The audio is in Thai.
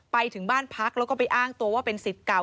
ไปถึงบ้านพักแล้วก็ไปอ้างตัวว่าเป็นสิทธิ์เก่า